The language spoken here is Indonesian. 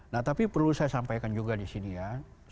nah tapi perlu saya sampaikan juga disini ya